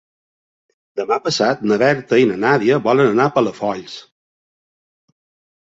Demà passat na Berta i na Nàdia volen anar a Palafolls.